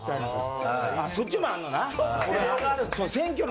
そっちもあんのな。